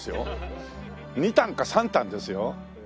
２反か３反ですよ。